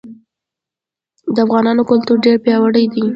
د افغانانو کلتور ډير پیاوړی دی.